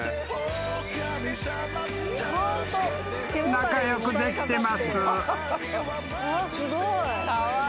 ［仲良くできてます］